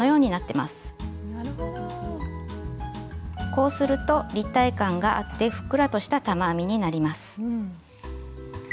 こうすると立体感があってふっくらとした玉編みになります。